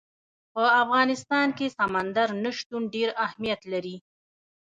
په افغانستان کې سمندر نه شتون ډېر اهمیت لري.